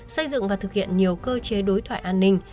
xây dựng và thực hiện nhiều cơ chế đối thoại an ninh